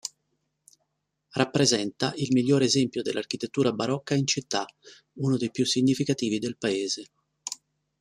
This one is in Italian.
Rappresenta il miglior esempio dell'architettura barocca in città, uno dei più significativi del Paese.